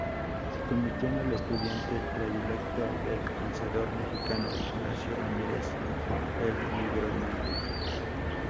Se convirtió en el estudiante predilecto del pensador mexicano Ignacio Ramírez, "El Nigromante".